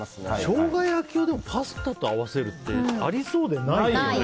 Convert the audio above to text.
ショウガ焼きをパスタと合わせるってありそうでないよね。